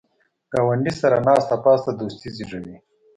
ګاونډي سره ناسته پاسته دوستي زیږوي